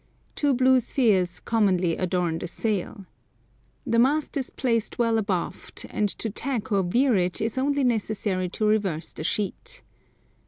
Two blue spheres commonly adorn the sail. The mast is placed well abaft, and to tack or veer it is only necessary to reverse the sheet.